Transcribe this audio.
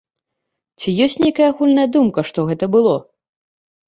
Ці ёсць нейкая агульная думка, што гэта было?